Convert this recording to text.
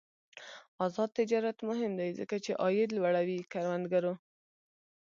آزاد تجارت مهم دی ځکه چې عاید لوړوي کروندګرو.